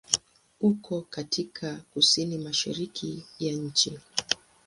Uko katika kusini-mashariki ya nchi.